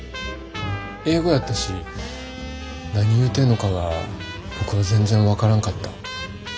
英語やったし何言うてんのかは僕は全然分からんかった。